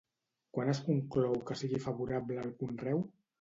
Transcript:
Quan es conclou que sigui favorable el conreu?